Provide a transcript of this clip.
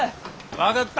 分かった！